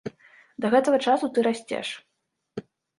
Да гэтага часу ты расцеш.